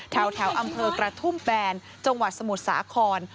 แถวอำเภอกระทุ่มแบนจังหวัดสมุทรสาคร